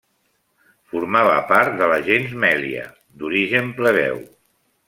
Formava part de la gens Mèlia, d'origen plebeu.